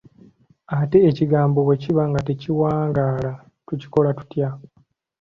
Ate ekigambo bwe kiba nga tekiwangaala, tukikola tutya?